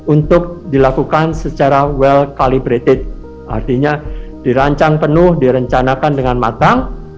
untuk dilakukan secara well kalibrated artinya dirancang penuh direncanakan dengan matang